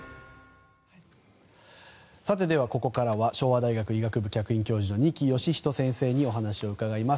ここからは昭和大学医学部客員教授の二木芳人先生にお話を伺います。